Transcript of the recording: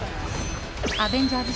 「アベンジャーズ」